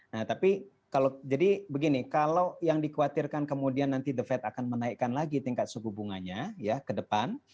nah tapi kalau jadi begini kalau yang dikhawatirkan kemudian nanti the fed akan menaikkan lagi tingkat suku bunganya ya ke depan